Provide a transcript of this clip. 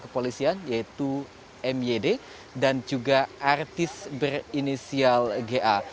kepolisian yaitu myd dan juga artis berinisial ga